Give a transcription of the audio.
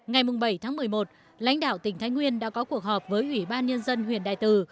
hội nhà báo tỉnh thái nguyên đã có cuộc họp với ủy ban nhân dân huyện đại từ